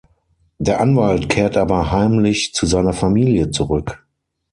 Der Anwalt kehrt aber heimlich zu seiner Familie zurück.